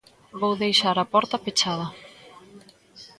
Vou deixar a porta pechada.